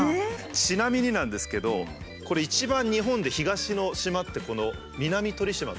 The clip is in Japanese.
ちなみになんですけどこれ一番日本で東の島ってこの南鳥島。